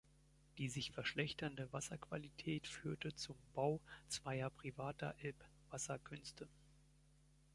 Die sich verschlechternde Wasserqualität führte zum Bau zweier privater „Elb-Wasserkünste“.